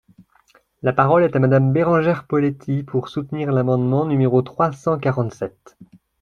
La parole est à Madame Bérengère Poletti, pour soutenir l’amendement numéro trois cent quarante-sept.